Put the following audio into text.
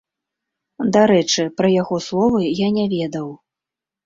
Дарэчы, пра яго словы я не ведаў.